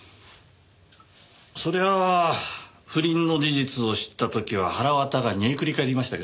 そりゃ不倫の事実を知った時ははらわたが煮えくり返りましたけどね。